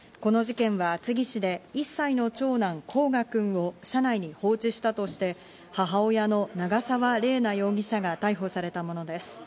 この事件は、厚木市で１歳の長男・煌翔くんを車内に放置したとして、母親の長沢麗奈容疑者が逮捕されたものです。